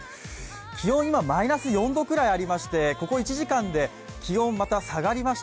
気温、今、マイナス４度くらいありまして、気温また下がりました。